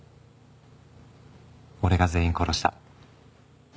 俺が全員殺した。